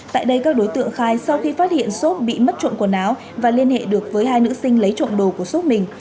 tại đây các đối tượng khai sau khi phát hiện xốp bị mất trộm quần áo và liên hệ được với hai nữ sinh lấy trộm đồ của xốp mình